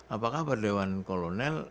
apa kabar dewan kolonel